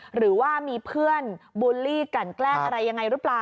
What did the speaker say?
หรือว่ามีเพื่อนบูลลี่กันแกล้งอะไรยังไงหรือเปล่า